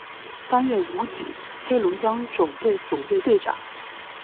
担任武警黑龙江总队队长。